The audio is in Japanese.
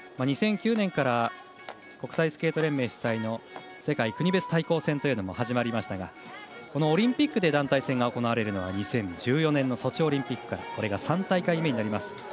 ２００９年から国際スケート連盟主催の世界国別対抗戦というのも始まりましたがオリンピックで団体戦が行われるのは２０１４年のソチオリンピックからこれが３大会目になります。